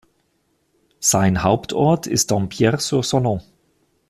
Sein Hauptort ist Dampierre-sur-Salon.